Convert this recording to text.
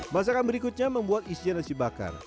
masakan berikutnya membuat isian nasi bakar